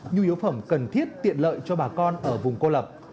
nhu yếu phẩm cần thiết tiện lợi cho bà con ở vùng cô lập